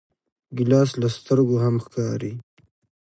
ګیلاس له سترګو هم ښکاري.